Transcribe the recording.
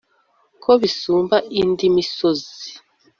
Ko bisumba indi misozi,